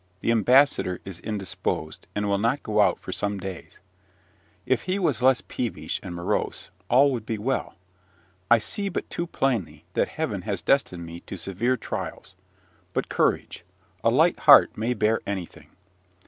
The ambassador is indisposed, and will not go out for some days. If he were less peevish and morose, all would be well. I see but too plainly that Heaven has destined me to severe trials; but courage! a light heart may bear anything.